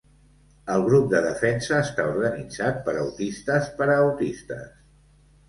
El grup de defensa està organitzat per autistes per a autistes.